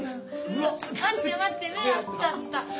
待って待って目ぇ合っちゃった。